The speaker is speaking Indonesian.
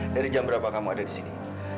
dari jam berapa kamu ada disini